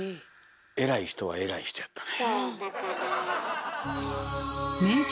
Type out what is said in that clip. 偉い人は偉い人やったね。